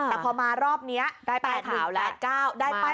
แต่พอมารอบนี้๘๑๘๙ได้ป้าย